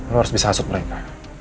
lo harus bisa hasup mereka